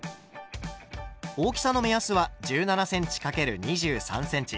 大きさの目安は１７ｃｍ×２３ｃｍ。